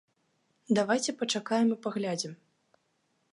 Давайце пачакаем і паглядзім.